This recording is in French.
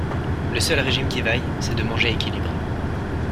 Le seul régime qui vaille, c'est de manger équilibré.